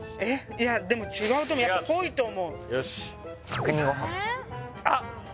いやでも違うと思うやっぱ濃いと思うよし角煮ごはん